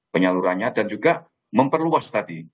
penyalurannya dan juga memperluas tadi